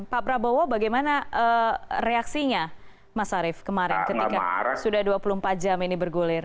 pak prabowo bagaimana reaksinya mas arief kemarin ketika sudah dua puluh empat jam ini bergulir